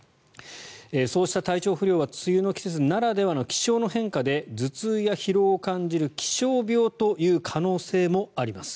そうした体調不良は梅雨の季節ならではの気象の変化で頭痛や疲労を感じる気象病という可能性もあります。